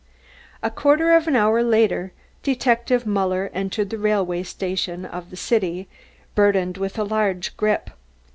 A quarter of an hour later, Detective Muller entered the railway station of the city, burdened with a large grip.